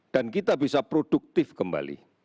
dan kita bisa produktif kembali